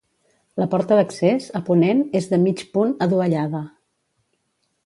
La porta d'accés, a ponent, és de mig punt, adovellada.